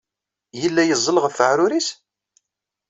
Yella yeẓẓel ɣef weɛrur-nnes?